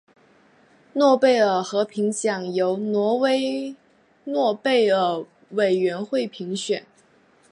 诺贝尔和平奖由挪威诺贝尔委员会评选。